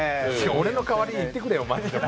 俺の代わりに行ってくれよ。